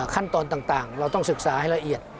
ขั้นตอนต่างเราต้องศึกษาให้ละเอียด